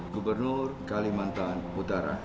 gubernur kalimantan utara